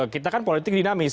kita kan politik dinamis